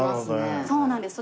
そうなんです。